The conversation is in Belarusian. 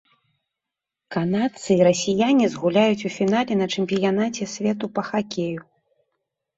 Канадцы і расіяне згуляюць у фінале на чэмпіянаце свету па хакею.